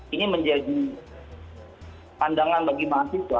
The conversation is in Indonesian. ini menjadi pandangan bagi mahasiswa